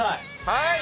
はい！